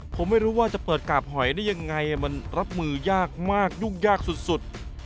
ผมไม่รู้ว่าจะเปิดกาบหอยได้ยังไงมันรับมือยากมากยุ่งยากสุด